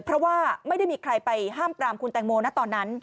เพราะว่าไม่ได้มีใครไปห้ามปรามคุณแตงโมนะตอนนั้น